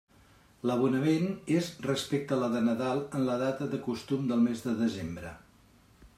L'abonament és respecte a la de Nadal en la data de costum del mes de desembre.